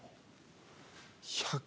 １００。